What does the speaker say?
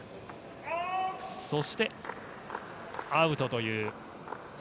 そして、アウトという。